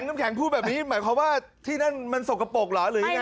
น้ำแข็งพูดแบบนี้หมายความว่าที่นั่นมันสกปรกเหรอหรือยังไง